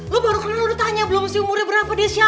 lo baru kenal lo udah tanya belum sih umurnya berapa tahunnya